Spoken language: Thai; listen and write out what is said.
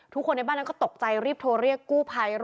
ทุกคนในบ้านนั้นก็ตกใจรีบโทรเรียกกู้ภัย